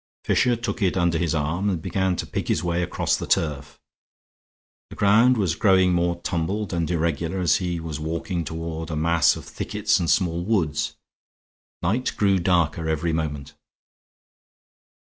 Fisher took it under his arm and began to pick his way across the turf. The ground was growing more tumbled and irregular and he was walking toward a mass of thickets and small woods; night grew darker every moment.